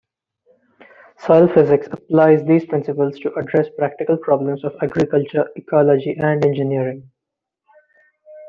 Soil physics applies these principles to address practical problems of agriculture, ecology, and engineering.